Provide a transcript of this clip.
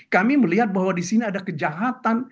kami melihat bahwa di sini ada kejahatan